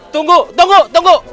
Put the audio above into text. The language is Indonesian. tunggu tunggu tunggu